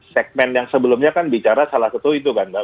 segmen yang sebelumnya kan bicara salah satu itu kan mbak